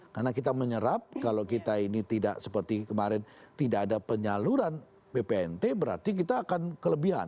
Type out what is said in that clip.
karena kita menyerap kalau kita ini tidak seperti kemarin tidak ada penyaluran bpnt berarti kita akan kelebihan